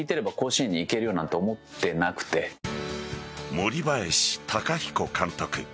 森林貴彦監督。